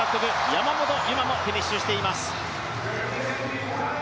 山本有真もフィニッシュしています。